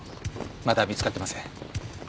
まだ見つかってません。